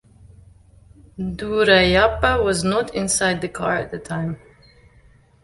Duraiappah was not inside the car at the time.